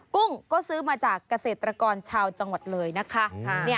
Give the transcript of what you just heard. กุ้งก็ซื้อมาจากเกษตรกรชาวจังหวัดเลยนะคะ